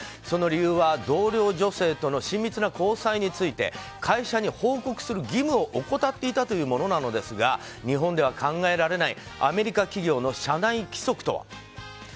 その理由は同僚女性との親密な交際について会社に報告する義務を怠っていたというものなのですが日本では考えられないアメリカ企業の社内規則とは。